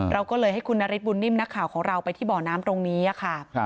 เราก็เลยให้คุณนฤทธบุญนิ่มนักข่าวของเราไปที่บ่อน้ำตรงนี้ค่ะ